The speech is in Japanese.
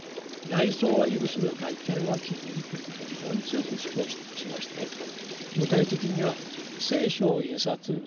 「内想は許すが外顕は禁じる」ということを非常に強く主張しまして具体的には「聖書」を印刷するということは禁止する。